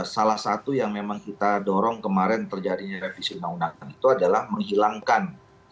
salah satu yang memang kita dorong kemarin terjadinya revisi undang undangan itu adalah menghilangkan